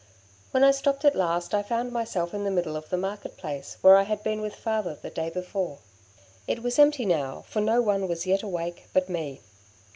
When I stopped at last I found myself in the middle of the market place, where I had been with Father the day before. It was empty now, for no one was yet awake but me.